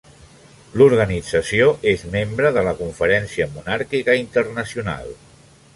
L'organització és membre de la Conferència Monàrquica Internacional.